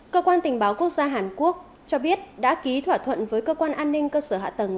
cơ quan tình báo quốc gia hàn quốc cho biết đã ký thỏa thuận với cơ quan an ninh cơ sở hạ tầng